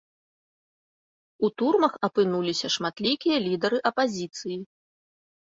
У турмах апынуліся шматлікія лідары апазіцыі.